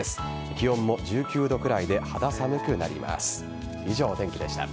気温も１９度くらいで肌寒くなります。